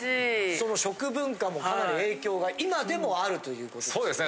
その食文化もかなり影響が今でもあるということですね。